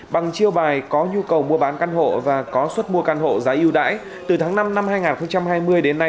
bằng chiêu bài có nhu cầu mua bán căn hộ và có suất mua căn hộ giá yêu đãi từ tháng năm năm hai nghìn hai mươi đến nay